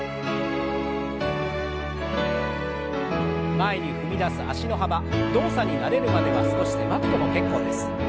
前に踏み出す脚の幅動作に慣れるまでは少し狭くても結構です。